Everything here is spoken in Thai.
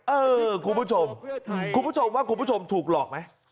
เออคุณผู้ชมคุณผู้ชมว่าคุณผู้ชมถูกหลอกไหม